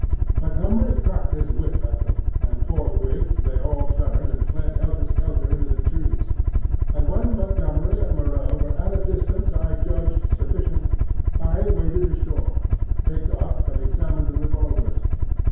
Montgomery cracked his whip at them, and forthwith they all turned and fled helter skelter into the trees; and when Montgomery and Moreau were at a distance I judged sufficient, I waded ashore, and picked up and examined the revolvers.